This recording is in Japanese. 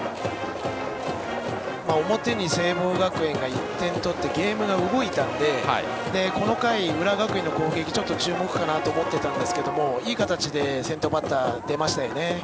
表に聖望学園が１点取ってゲームが動いたのでこの回、浦和学院の攻撃はちょっと注目かなと思っていたんですけどいい形で先頭バッターが出ましたね。